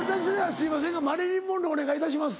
すいませんがマリリン・モンローお願いいたします。